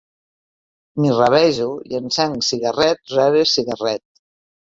M'hi rabejo i encenc cigarret rere cigarret.